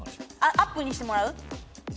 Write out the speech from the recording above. アップにしてもらう？